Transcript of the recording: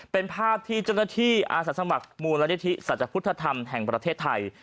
เป็นภาพที่จนที่อาสัชมะมูลวัตถิสัจพุทธธรรมแห่งประเทศไทย